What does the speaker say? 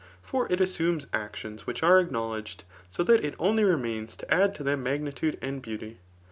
For it assumes actions which are acknowledged, so that it only remains to add to them magnitude and beauty.